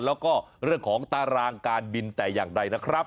แล้วก็เรื่องของตารางการบินแต่อย่างใดนะครับ